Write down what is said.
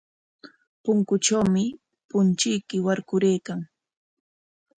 Punkutrawmi punchuyki warkaraykan.